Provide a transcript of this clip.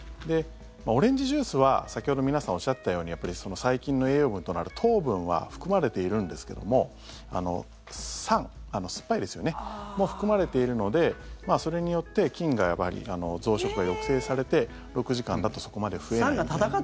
オレンジジュースは先ほど皆さんおっしゃってたように細菌の栄養分となる糖分は含まれているんですけども酸、酸っぱいですよね。も、含まれているのでそれによって菌が増殖が抑制されて６時間だとそこまで増えない。